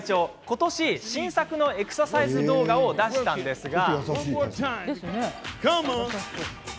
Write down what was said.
今年、新作のエクササイズ動画を出したんですが。